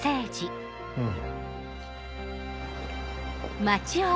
うん。